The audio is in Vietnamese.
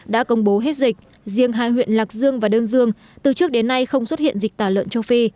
đã công bố hết dịch riêng hai huyện lạc dương và đơn dương từ trước đến nay không xuất hiện dịch tả lợn châu phi